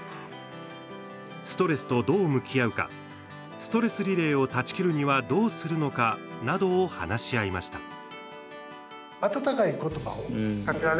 ストレスとどう向き合うか「ストレス・リレー」を断ち切るにはどうするのかなどを話し合いました。